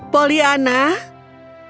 poliana bagaimana kau tetap bersikap positif